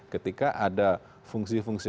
ketika ada fungsi fungsi